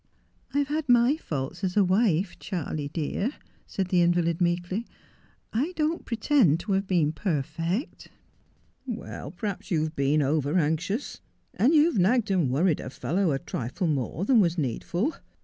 ' I have had my faults as a wife, Charley dear,' said the invalid meekly. ' I don't pretend to have been perfect.' ' Well, perhaps you've been over anxious, and you've nagged and worried a fellow a trifle more than was needful.